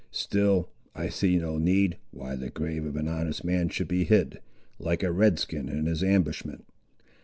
Still I see no need, why the grave of an honest man should be hid, like a Red skin in his ambushment.